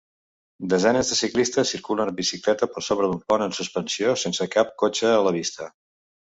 Desenes de ciclistes circulen en bicicleta per sobre d'un pont en suspensió sense cap cotxe a la vista